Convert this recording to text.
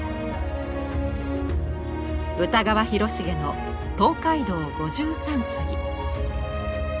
歌川広重の「東海道五拾三次」。